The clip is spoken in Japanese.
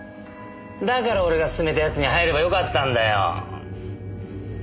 だから俺が勧めたやつに入ればよかったんだよ。